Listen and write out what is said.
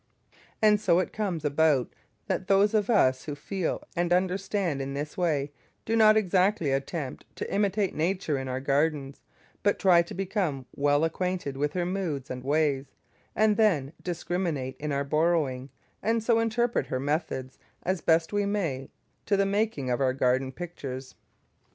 And so it comes about that those of us who feel and understand in this way do not exactly attempt to imitate Nature in our gardens, but try to become well acquainted with her moods and ways, and then discriminate in our borrowing, and so interpret her methods as best we may to the making of our garden pictures.